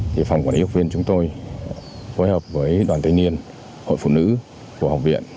thì phòng quản lý học viên chúng tôi phối hợp với đoàn thanh niên hội phụ nữ của học viện